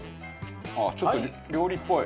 ちょっと料理っぽい。